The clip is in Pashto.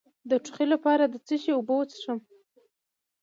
د ټوخي لپاره د څه شي اوبه وڅښم؟